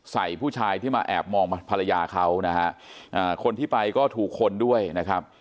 ผู้ชายที่มาแอบมองภรรยาเขานะฮะคนที่ไปก็ถูกคนด้วยนะครับ